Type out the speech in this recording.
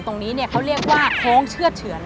ตรงนี้เนี่ยเค้าเรียกว่าโครงเชื่อเฉือน